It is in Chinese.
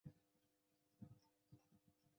祖父孙子高。